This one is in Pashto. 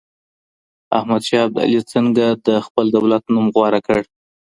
احمد شاه ابدالي څنګه د خپل دولت نوم غوره کړ؟